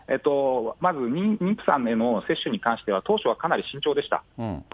まず妊婦さんでも、接種に関しては当初はかなり慎重でした。